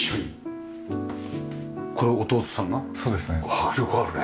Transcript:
迫力あるね。